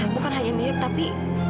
bukan hanya mirip tapi